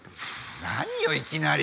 何よいきなり。